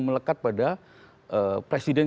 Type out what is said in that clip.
melekat pada presiden